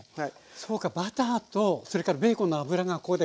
そうかバターとそれからベーコンの脂がここで合体。